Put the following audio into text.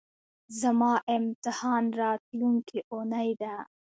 زما امتحان راتلونکۍ اونۍ ده